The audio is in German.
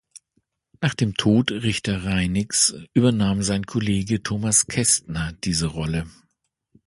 Nach dem Tod Richter-Reinicks übernahm sein Kollege Thomas Kästner diese Rolle.